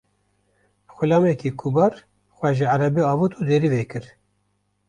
Xulamekî kubar xwe ji erebê avêt û derî vekir.